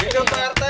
hidup pak rente